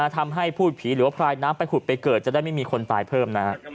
ทำให้พูดผีหรือว่าพลายน้ำไปขุดไปเกิดจะได้ไม่มีคนตายเพิ่มนะฮะ